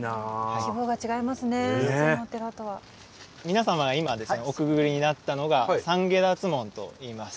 皆様が今ですねおくぐりになったのが「三解脱門」と言います。